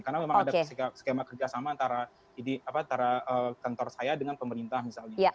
karena memang ada skema kerja sama antara kantor saya dengan pemerintah misalnya